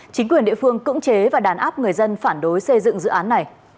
chính quyền địa phương cưỡng chế và đàn áp người dân phản đối xây dựng dự án này